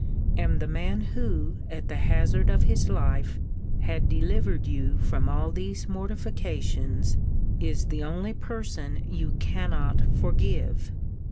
And the man who, at the hazard of his life, had delivered you from all these mortifications, is the only person you cannot forgive!